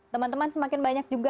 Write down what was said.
teman teman semakin banyak juga